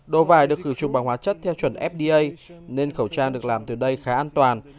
đồ vải được khử trùng bằng hóa chất theo chuẩn fda nên khẩu trang được làm từ đây khá an toàn